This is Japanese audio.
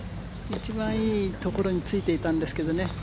一番いいところについていたんですけどね。